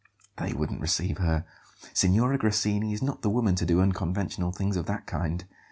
"They wouldn't receive her. Signora Grassini is not the woman to do unconventional things of that kind.